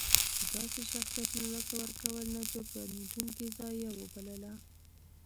د داسې شخصیت له لاسه ورکول نه جبرانېدونکې ضایعه وبلله.